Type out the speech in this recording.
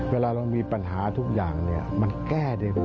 เวลาเรามีปัญหาทุกอย่างมันแก้ได้